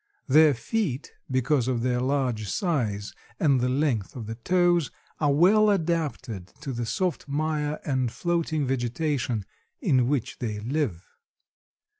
Their feet, because of their large size and the length of the toes, are well adapted to the soft mire and floating vegetation in which they live.